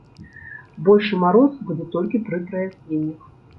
Большы мароз будзе толькі пры праясненнях.